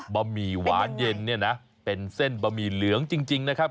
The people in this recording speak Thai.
บะหมี่หวานเย็นเนี่ยนะเป็นเส้นบะหมี่เหลืองจริงนะครับ